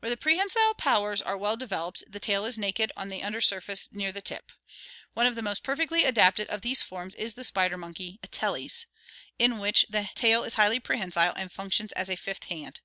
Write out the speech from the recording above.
Where the prehensile powers are well developed the tail is naked on the under surface near the tip. One of the most perfectly adapted of these forms is the spider monkey, A teles (see Fig. 237), in which the tail is highly prehensile and functions as a "fifth hand."